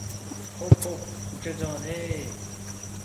Xo’p-xo’p, ukajon-yey…